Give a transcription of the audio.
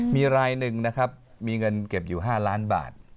มีรายหนึ่งนะครับมีเงินเก็บอยู่๕ล้านบาท